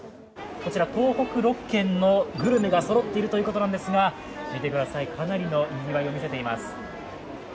こちら、東北６県のグルメがそろっているということなんですが、見てください、かなりのにぎわいを見せています。